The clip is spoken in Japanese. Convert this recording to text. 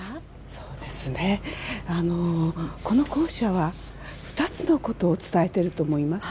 そうですね、この校舎は２つのことを伝えていると思います。